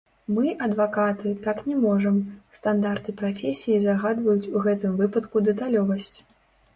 Мы, адвакаты, так не можам, стандарты прафесіі загадваюць ў гэтым выпадку дэталёвасць.